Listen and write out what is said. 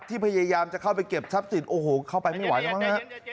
พยายามจะเข้าไปเก็บทรัพย์สินโอ้โหเข้าไปไม่ไหวแล้วมั้งฮะ